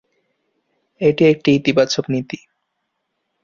এটি একটি ইতিবাচক নীতি।